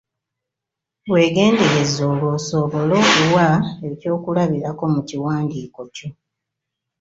Weegendereze olwo osobole okuwa ekyokulabirako mu kiwandiiko kyo.